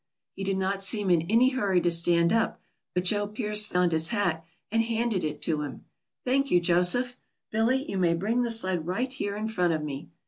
He did not seem in any hurry to stand up, but Joe Pearce found his hat, and handed it to him. "Thank you, Joseph. Billy, you may bring the sled right here in front of me."